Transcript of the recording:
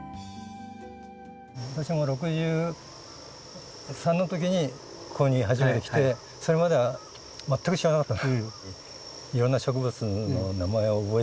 私も６３のときにここに初めて来てそれまでは全く知らなかった。